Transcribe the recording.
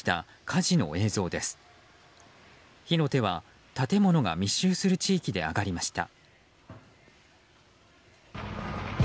火の手は建物が密集する地域で上がりました。